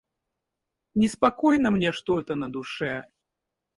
Неспокойно мне что-то на душе.